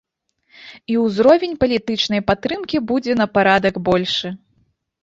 І ўзровень палітычнай падтрымкі будзе на парадак большы.